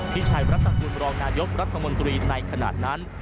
ที่ชัยรัฐกุลบรองนายกรัฐมนตรีในขณะนั้น